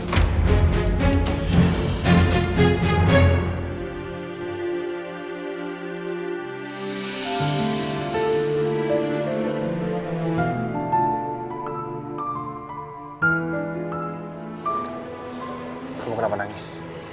kamu kenapa nangis